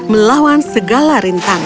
melawan segala rintangan